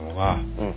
うん。